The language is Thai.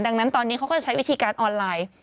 ดังนั้นตอนนี้เขาก็จะใช้วิธีการออนไลน์